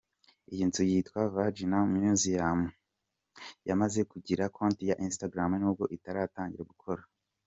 Iyi nzu yitwa ‘Vagina museum’ yamaze kugira konti ya Instagram nubwo itaratangira gukora.